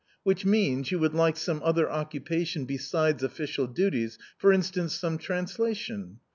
1 "Which means, you would like some other occupation besides official duties — for instance some translation?